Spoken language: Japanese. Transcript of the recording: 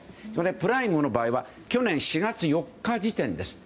プライムの場合は去年４月４日時点です。